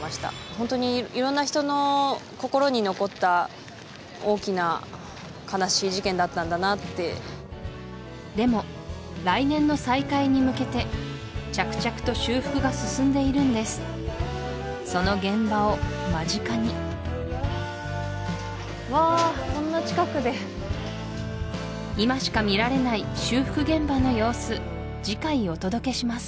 ホントに色んな人の心に残った大きな悲しい事件だったんだなってでも来年の再開に向けて着々と修復が進んでいるんですその現場を間近にわあこんな近くで今しか見られない修復現場の様子次回お届けします